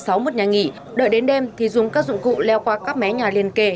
có một nhà nghỉ đợi đến đêm thì dùng các dụng cụ leo qua các mé nhà liên kề